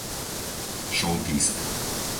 Šoltýska